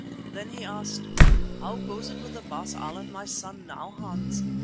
Then he asked: 'And how goes it with Baas Allan, my son, now, Hans?